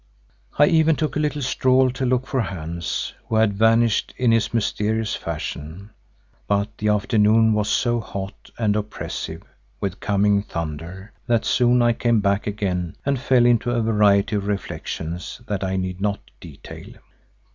I even took a little stroll to look for Hans, who had vanished in his mysterious fashion, but the afternoon was so hot and oppressive with coming thunder, that soon I came back again and fell into a variety of reflections that I need not detail.